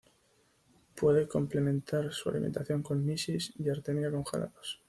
Puede complementar su alimentación con mysis y artemia congelados.